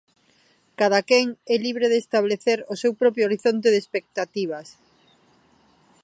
Cadaquén é libre de establecer o seu propio horizonte de expectativas.